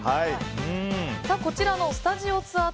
こちらのスタジオツアー